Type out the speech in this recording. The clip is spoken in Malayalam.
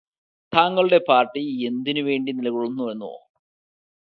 തങ്ങളുടെ പാർടി എന്തിനു വേണ്ടി നിലകൊള്ളുന്നുവെന്നോ